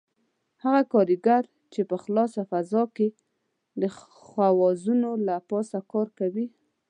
هغه کاریګر چې په خلاصه فضا کې د خوازونو له پاسه کار کوي.